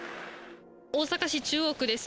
大阪市中央区です。